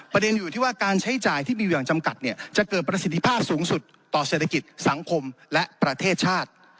อยู่ที่ว่าการใช้จ่ายที่มีอยู่อย่างจำกัดเนี่ยจะเกิดประสิทธิภาพสูงสุดต่อเศรษฐกิจสังคมและประเทศชาติ